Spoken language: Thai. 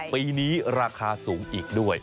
ปีนี้ราคาสูงอีกด้วย